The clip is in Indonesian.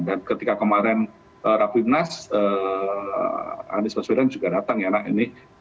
dan ketika kemarin rapimnas anies waswedan juga datang ya nak ini